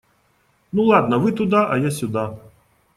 Ну ладно, вы туда, а я сюда.